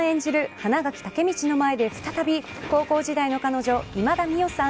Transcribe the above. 花垣武道の前で再び高校時代の彼女今田美桜さん